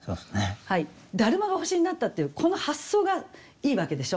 達磨が星になったっていうこの発想がいいわけでしょ。